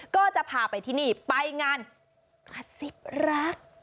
ก็จะพาไปที่นี่ไปงานกระซิบรัก